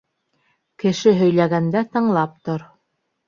Кеше һөйләгәндә тыңлап тор.